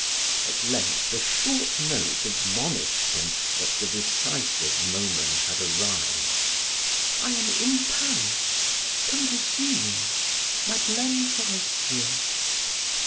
At length a short note admonished him that the decisive moment had arrived. "I am in Paris. Come to see me." "Madeleine Forestier."